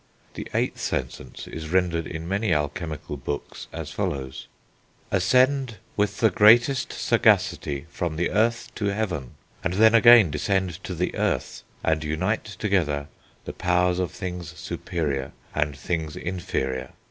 The eighth sentence is rendered in many alchemical books as follows: "Ascend with the greatest sagacity from the earth to heaven, and then again descend to the earth, and unite together the powers of things superior and things inferior.